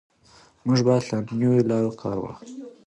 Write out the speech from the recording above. موږ باید له نویو لارو کار واخلو.